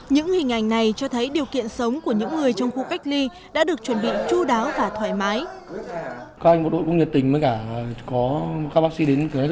những hình ảnh này cho thấy điều kiện sống của những người trong khu cách ly đã được chuẩn bị chú đáo và thoải mái